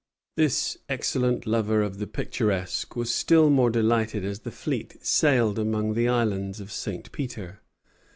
This excellent lover of the picturesque was still more delighted as the fleet sailed among the islands of St. Peter.